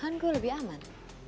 kan gue lebih aman